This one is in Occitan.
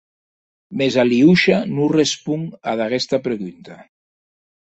Mès Aliosha non responc ad aguesta pregunta.